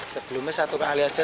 sebelumnya satu kali saja